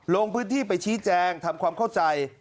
ลงพื้นที่ไปชี้แจงทำความเข้าใจ